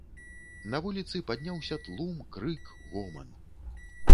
На вуліцы падняўся тлум, крык, гоман.